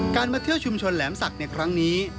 การมาเที่ยวชุมชนแหลมสักในครั้งนี้